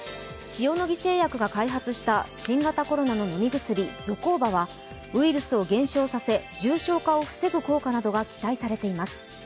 塩野義製薬が開発した新型コロナの飲み薬・ゾコーバはウイルスを減少させ重症化を防ぐ効果などが期待されています。